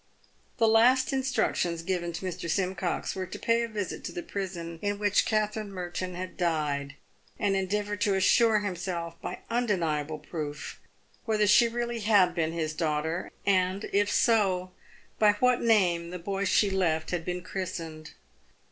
The last instructions given to Mr. Simcox were to pay a visit to the prison in which Katherine Merton had died, and endeavour to assure himself, by undeniable proof, whether she really had been his b2 244 PAVED WITH GOLD. daughter, and, if so, by what name the boy she left had been chris tened.